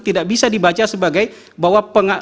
tidak bisa dibaca sebagai bahwa